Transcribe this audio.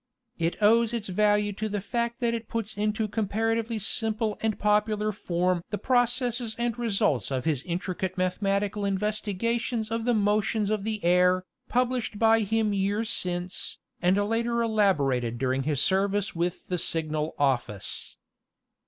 It owes its value to the fact that it puts into compar atively simple and popular form the processes and results of his intricate mathematical investigations of the motions of the air, published by him years since, and later elaborated during his service with the Signal Office.